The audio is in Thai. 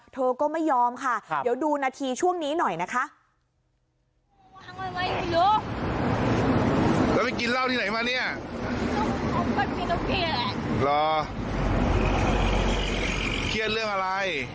เธอก็ไม่ยอมค่ะเดี๋ยวดูนาทีช่วงนี้หน่อยนะคะ